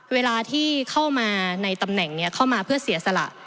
เวลาที่เข้ามาในตำแหน่งนี้เข้ามาเพื่อเสียสละ